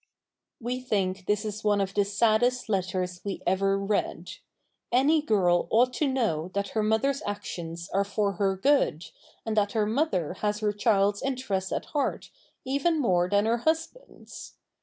We think this is one of the saddest letters we ever read. Any girl ought to know that her mother's actions are for her good, and that her mother has her child's interest at heart even more than her husband's.